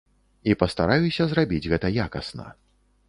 І пастараюся зрабіць гэта якасна.